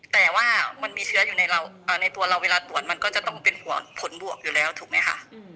แต่ว่ามันมีเชื้ออยู่ในตัวเราเวลาตรวจมันก็จะต้องเป็นผลบวกอยู่แล้วถูกไหมคะ